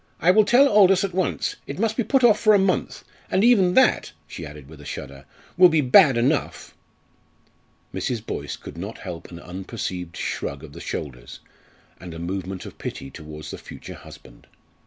I will tell Aldous at once. It must be put off for a month. And even that," she added with a shudder, "will be bad enough." Mrs. Boyce could not help an unperceived shrug of the shoulders, and a movement of pity towards the future husband.